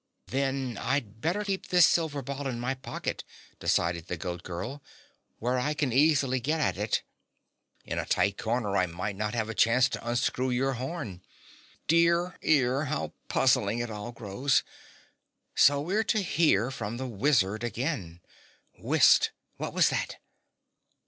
"Then I'd better keep this silver ball in my pocket," decided the Goat Girl, "where I can easily get it. In a tight corner I might not have a chance to unscrew your horn. Dear ear, how puzzling it all grows! So we're to hear from the wizard again. Whist! What was that?"